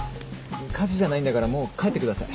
火事じゃないんだからもう帰ってください。